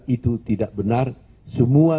itu tidak benar semua